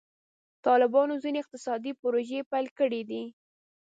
طالبانو ځینې اقتصادي پروژې پیل کړي دي.